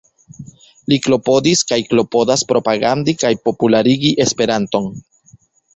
Li klopodis kaj klopodas propagandi kaj popularigi esperanton.